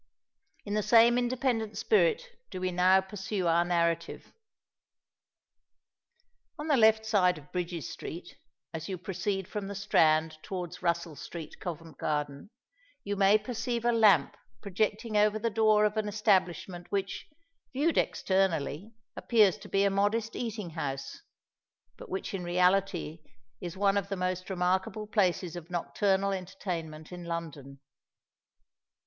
In the same independent spirit do we now pursue our narrative. On the left hand side of Brydges Street, as you proceed from the Strand towards Russell Street, Covent Garden, you may perceive a lamp projecting over the door of an establishment which, viewed externally, appears to be a modest eating house; but which in reality is one of the most remarkable places of nocturnal entertainment in London.